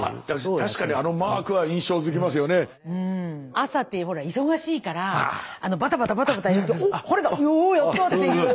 朝ってほら忙しいからバタバタバタバタやって「おっ晴れだ。おやった」っていう。ね？